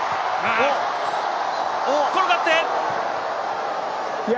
転がって。